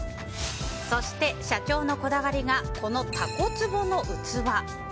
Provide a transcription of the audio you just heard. そして、社長のこだわりがこのタコつぼの器。